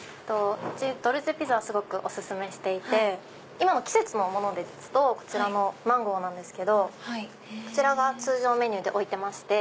うちドルチェピッツァはすごくお薦めしていて今の季節のものですとこちらマンゴーなんですけどこちらが通常メニューで置いてまして。